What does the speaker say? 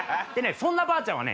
そんなばあちゃんはね